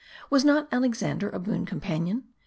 Was not Alexander a boon companion